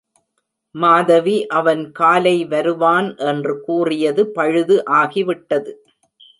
மாதவி அவன் காலை வருவான் என்று கூறியது பழுது ஆகிவிட்டது.